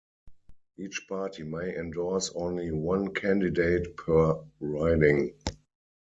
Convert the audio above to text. Each party may endorse only one candidate per riding.